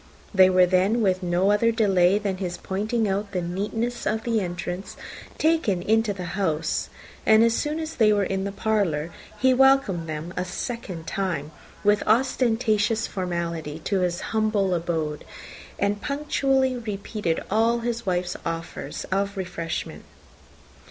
They were then, with no other delay than his pointing out the neatness of the entrance, taken into the house; and as soon as they were in the parlour, he welcomed them a second time, with ostentatious formality, to his humble abode, and punctually repeated all his wife's offers of refreshment.